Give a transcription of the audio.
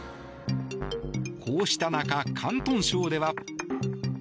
こうした中、広東省では。